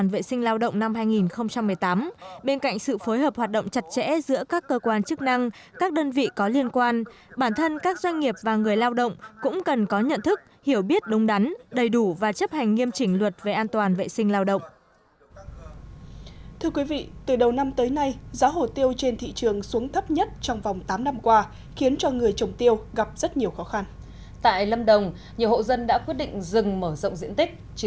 vậy cơ quan chức năng tỉnh lâm đồng khuyến cáo nông dân không tự mở rộng diện tích hồ tiêu